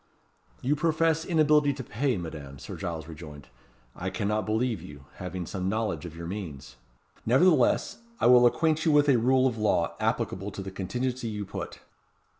"You profess inability to pay, Madame," Sir Giles rejoined. "I cannot believe you; having some knowledge of your means. Nevertheless, I will acquaint you with a rule of law applicable to the contingency you put.